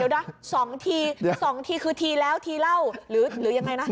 เดี๋ยวนะ๒ที๒ทีคือทีแล้วทีเล่าหรือยังไงนะ